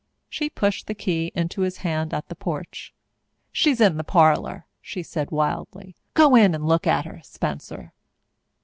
She pushed the key into his hand at the porch. "She's in the parlour," she said wildly. "Go in and look at her, Spencer."